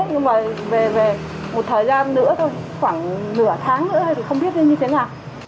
nhưng mà về một thời gian nữa thôi khoảng nửa tháng nữa thì không biết như thế nào